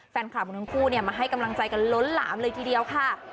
แฟนคลับของทั้งคู่มาให้กำลังใจกันล้นหลามเลยทีเดียวค่ะ